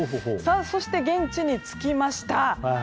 そして現地に着きました。